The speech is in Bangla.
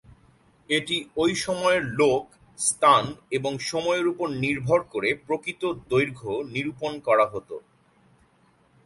এটি ঐ সময়ের লোক, স্থান এবং সময়ের উপর নির্ভর করে প্রকৃত দৈর্ঘ্য নিরূপণ করা হতো।